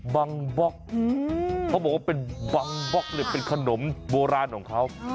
บังบล็อกเขาบอกว่าเป็นบังบล็อกเนี่ยเป็นขนมโบราณของเขา